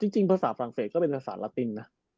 จริงภาษาฝรั่งเศสก็เป็นภาษาลาตินนะ